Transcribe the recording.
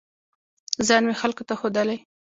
ځان مې خلکو ته ښودلی